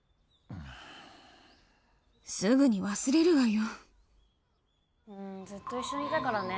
すぐに忘れるわよ